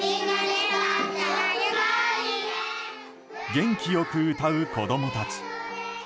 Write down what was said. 元気良く歌う子供たち。